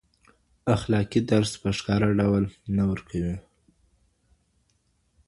اخلاقي درس په ښکاره ډول نه ورکوي.